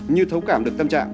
như thấu cảm được tâm trạng